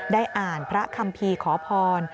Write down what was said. ได้อ่านพระคัมภีร์ขอพร